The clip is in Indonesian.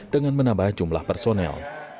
dengan menambah jumlah personel